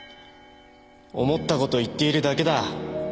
思ったことを言っているだけだ。